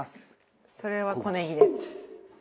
それは小ねぎです。